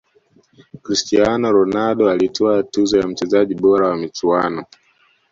cristiano ronaldo alitwaa tuzo ya mchezaji bora wa michuano